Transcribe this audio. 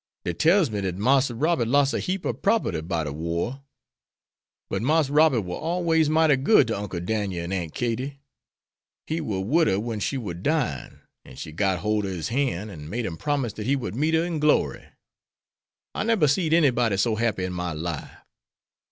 Dey tells me dat Marster Robert los' a heap ob property by de war; but Marse Robert war always mighty good ter Uncle Dan'el and Aunt Katie. He war wid her wen she war dyin' an' she got holt his han' an' made him promise dat he would meet her in glory. I neber seed anybody so happy in my life.